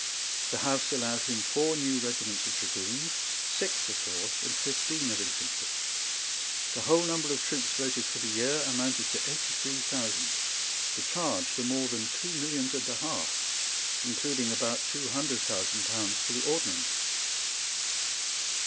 The House allowed him four new regiments of dragoons, six of horse, and fifteen of infantry. The whole number of troops voted for the year amounted to eighty three thousand, the charge to more than two millions and a half, including about two hundred thousand pounds for the ordnance.